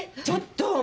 ちょっと。